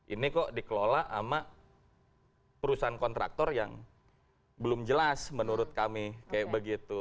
ini kok dikelola sama perusahaan kontraktor yang belum jelas menurut kami kayak begitu